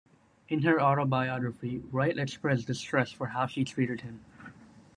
In her autobiography, Wright expressed distress for how she treated him.